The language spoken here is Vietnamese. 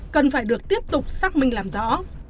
cần phải được tiếp tục xác minh làm rõ